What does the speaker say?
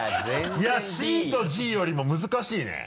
いや「Ｃ」と「Ｇ」よりも難しいね。